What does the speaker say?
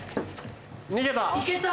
逃げた。